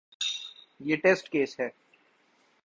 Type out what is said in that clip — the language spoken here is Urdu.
یہ ٹیسٹ کیس ہے۔